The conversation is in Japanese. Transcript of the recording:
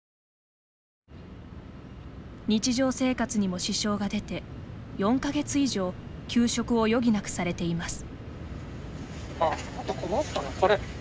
日常生活にも支障が出て４か月以上休職を余儀なくされています。